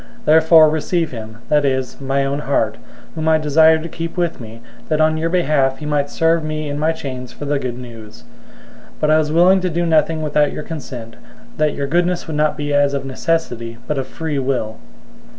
Therefore receive him, that is, my own heart, 001:013 whom I desired to keep with me, that on your behalf he might serve me in my chains for the Good News. 001:014 But I was willing to do nothing without your consent, that your goodness would not be as of necessity, but of free will.